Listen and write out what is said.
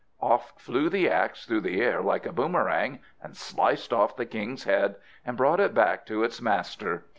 Off flew the axe through the air like a boomerang, and sliced off the king's head, and brought it back to its master.